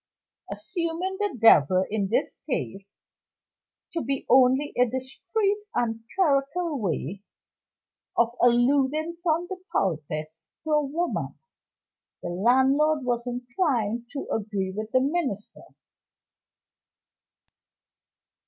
Assuming "the devil," in this case, to be only a discreet and clerical way of alluding from the pulpit to a woman, the landlord was inclined to agree with the minister.